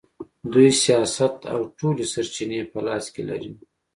دوی سیاست او ټولې سرچینې په لاس کې لري.